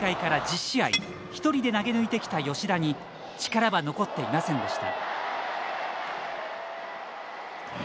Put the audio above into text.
一人で投げ抜いてきた吉田に力は残っていませんでした。